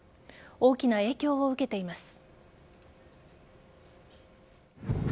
大きな影響を受けています。